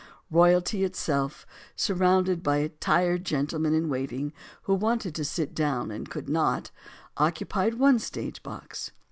Royalty itself, surrounded by tired gentlemen in waiting who wanted to sit down and could not, oc cupied one stage box.